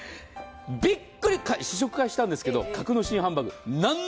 びっくり、試食会したんですが格之進ハンバーグ。